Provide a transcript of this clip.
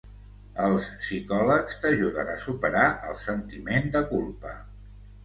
Els psicòlegs t'ajuden a superar el sentiment de culpa.